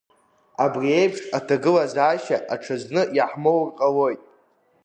Абри еицш аҭагылазаашьа аҽазны иаҳмоур ҟалоит…